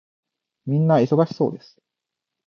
皆忙しそうです。